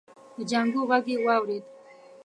د جانکو غږ يې واورېد.